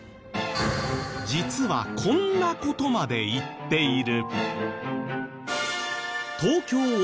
実はこんな事まで言っている。